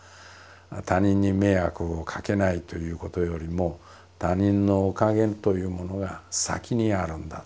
他人に迷惑をかけないということよりも他人のおかげというものが先にあるんだと。